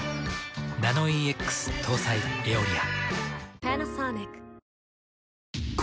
ナノイーＸ搭載「エオリア」。